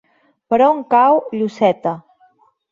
Per on cau Lloseta?